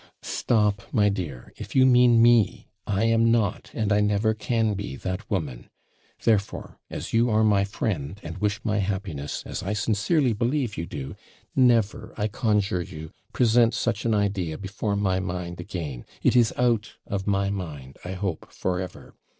'Stop, my dear; if you mean me, I am not, and I never can be, that woman. Therefore, as you are my friend, and wish my happiness, as I sincerely believe you do, never, I conjure you, present such an idea before my mind again it is out of my mind, I hope, for ever.